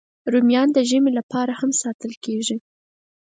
رومیان د ژمي لپاره هم ساتل کېږي